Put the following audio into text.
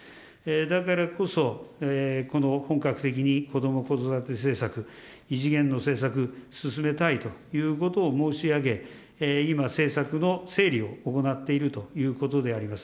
だからこそ、本格的にこども・子育て政策、異次元の政策、進めたいということを申し上げ、今、政策の整理を行っているということであります。